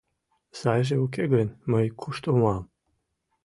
Сайже уке гын, мый кушто муам?